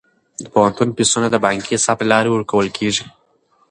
د پوهنتون فیسونه د بانکي حساب له لارې ورکول کیږي.